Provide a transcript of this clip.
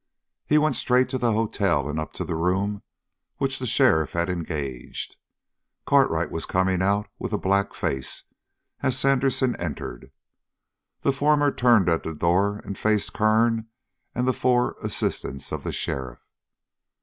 He went straight to the hotel and up to the room which the sheriff had engaged. Cartwright was coming out with a black face, as Sandersen entered. The former turned at the door and faced Kern and the four assistants of the sheriff.